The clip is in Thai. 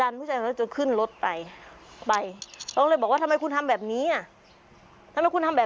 ต้องมาก่อกวนที่บ้านฉันคุณอย่าเพิ่งให้เขาไป